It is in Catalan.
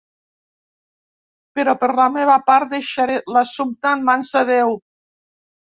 Però per la meva part deixaré l'assumpte en mans de Déu.